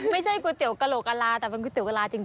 ไม่ใช่ก๋วยเตี๋ยวกะโหลกะลาแต่เป็นก๋วยเตี๋ยวกะลาจริง